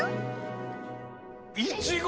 いちご！